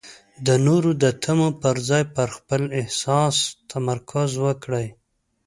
د نورو د تمو پر ځای پر خپل احساس تمرکز وکړئ.